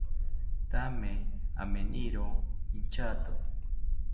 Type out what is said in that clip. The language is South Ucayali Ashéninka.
Thame aminiro inchato